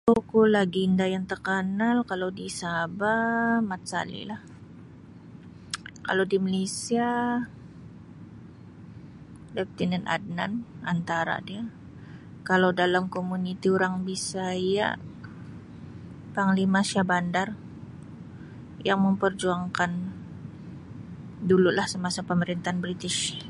Tokoh lagenda yang takanal kalau di Sabah Mat Salleh lah kalau di Malaysia Leftenan Adnan antara dia kalau dalam komuniti orang Bisaya Panglima Shahbandar yang memperjuangkan dulu lah semasa pemerintahan British.